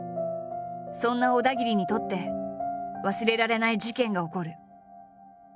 そんな小田切にとって忘れられない事件が起こる。